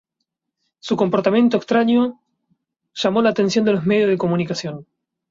Su comportamiento extraño, llamó la atención de los medios de comunicación.